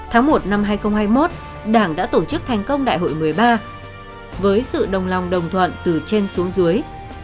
tháng một năm hai nghìn hai mươi một đảng đã tổ chức thành công đại hội một mươi ba với sự đồng lòng đồng thuận từ trên xuống dưới